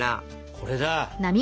これだ！